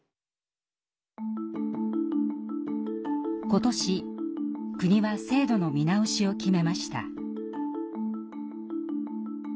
今年国は制度の見直しを決めました。